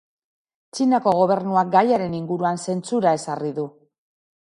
Txinako gobernuak gaiaren inguruan zentsura ezarri du.